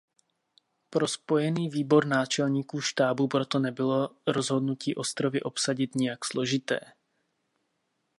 Pro Spojený výbor náčelníků štábu proto nebylo rozhodnutí ostrovy obsadit nijak složité.